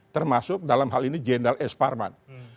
termasuk dalam hal ini jenderal s parman